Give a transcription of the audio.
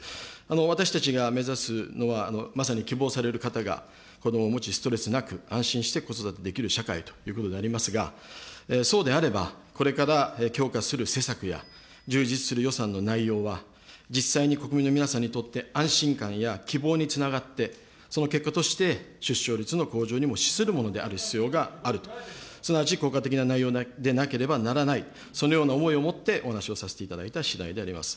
私たちが目指すのは、まさに希望される方が子どもを持ち、ストレスなく、安心して子育てできる社会ということでありますが、そうであれば、これから強化する施策や充実する予算の内容は、実際に国民の皆さんにとって安心感や希望につながって、その結果として出生率の向上にもしするものである必要があると、すなわち効果的な内容でなければならない、そのような思いをもってお話をさせていただいたしだいであります。